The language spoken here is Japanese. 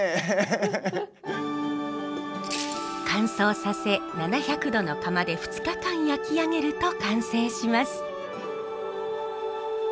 乾燥させ７００度の窯で２日間焼き上げると完成します。